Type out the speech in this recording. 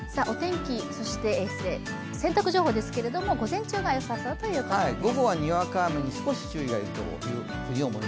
洗濯情報ですけれども、午前中がよさそうということです。